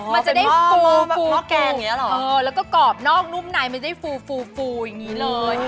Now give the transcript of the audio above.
มันจะได้ฟูแล้วก็กรอบนอกนุ่มในมันจะได้ฟูอย่างนี้เลย